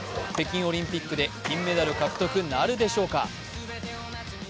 北京オリンピックで金メダル獲得なるでしょうか。